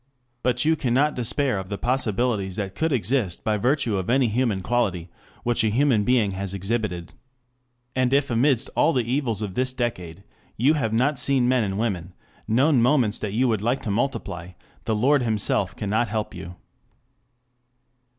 But you cannot despair of the possibilities that could exist by virtue of any human quality which a human being has exhibited. And if amidst all the evils of this decade, you have not seen men and women, known moments that you would like to multiply, the Lord himself cannot help you.